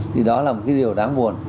thì đó là một cái điều đáng buồn